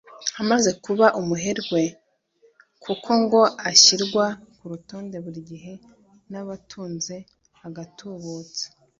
Amaze kuba umuherwe kuko ngo ashyirwa ku rutonde buri gihe rw’abatunze agatubutse